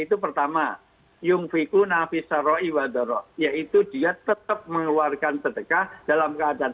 itu pertama yung fiku nafisa roi wa daro yaitu dia tetap mengeluarkan sedekah dalam keadaan